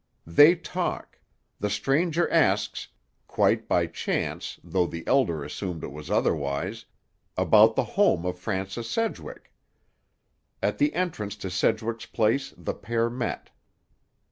They talk. The stranger asks—quite by chance, though the Elder assumed it was otherwise—about the home of Francis Sedgwick. At the entrance to Sedgwick's place the pair met.